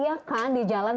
iya kan di jalan